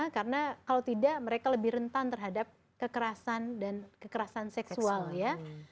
karena kalau tidak mereka lebih rentan terhadap kekerasan dan kekerasan seksual ya